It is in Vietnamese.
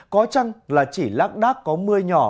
có chăng là chỉ lắc đắc có mưa nhỏ